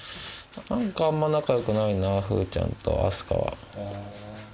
何かあんま仲良くないな風ちゃんと明日香は。